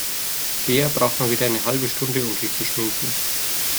Bea braucht mal wieder eine halbe Stunde, um sich zu schminken.